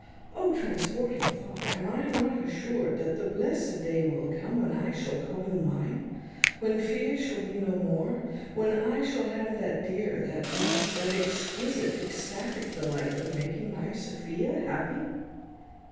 O! transporting thought! am I not assured that the blessed day will come, when I shall call you mine; when fears shall be no more; when I shall have that dear, that vast, that exquisite, ecstatic delight of making my Sophia happy?"